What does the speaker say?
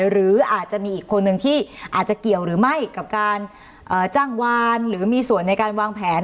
หรืออาจจะมีอีกคนนึงที่อาจจะเกี่ยวหรือไม่กับการจ้างวานหรือมีส่วนในการวางแผน